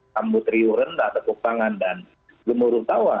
kambutriu rendah tepuk tangan dan gemuruh tawa